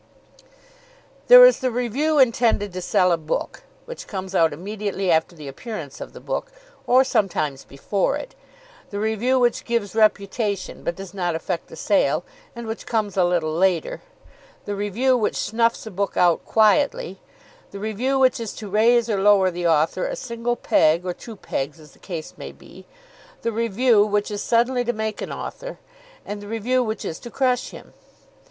There is the review intended to sell a book, which comes out immediately after the appearance of the book, or sometimes before it; the review which gives reputation, but does not affect the sale, and which comes a little later; the review which snuffs a book out quietly; the review which is to raise or lower the author a single peg, or two pegs, as the case may be; the review which is suddenly to make an author, and the review which is to crush him.